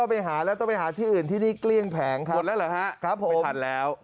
อ๋อเป็นเลขที่วัด